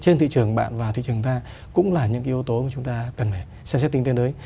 trên thị trường bạn và thị trường ta cũng là những yếu tố mà chúng ta cần phải xem xét tính tên đấy